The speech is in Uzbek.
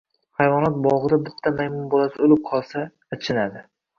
Hayvonot bog‘ida bitta maymun bolasi o‘lib qolsa, achinadi